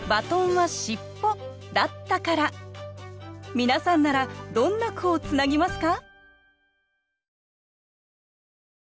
皆さんならどんな句をつなぎますか？